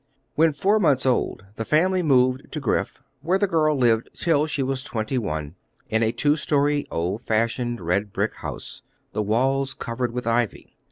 When four months old the family moved to Griff, where the girl lived till she was twenty one, in a two story, old fashioned, red brick house, the walls covered with ivy.